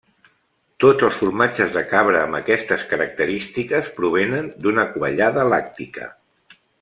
Tots els formatges de cabra amb aquestes característiques provenen d'una quallada làctica.